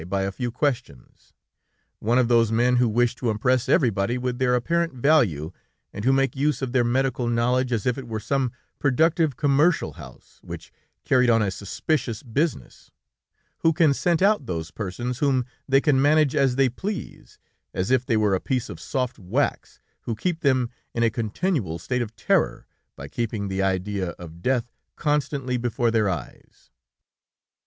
by a few questions; one of those men who wish to impress everybody with their apparent value, and who make use of their medical knowledge as if it were some productive commercial house, which carried on a suspicious business; who can scent out those persons whom they can manage as they please, as if they were a piece of soft wax, who keep them in a continual state of terror, by keeping the idea of death constantly before their eyes.